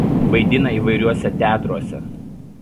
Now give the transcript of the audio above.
Vaidina įvairiuose teatruose.